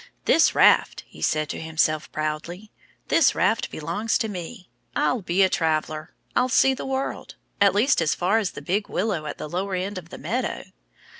"This raft " he said to himself proudly "this raft belongs to me. I'll be a traveler. I'll see the world at least as far as the big willow at the lower end of the meadow!"